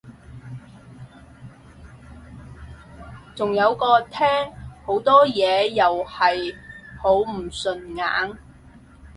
仲有個廳好多嘢又係好唔順眼